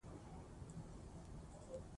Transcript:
د مالیې وزارت مالي پالیسۍ جوړوي.